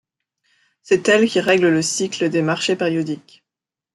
C’est elle qui règle le cycle des marchés périodiques.